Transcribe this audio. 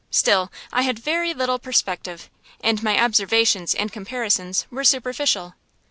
Still, I had very little perspective, and my observations and comparisons were superficial.